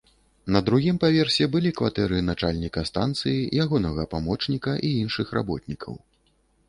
На другім паверсе былі кватэры начальніка станцыі, ягонага памочніка і іншых работнікаў.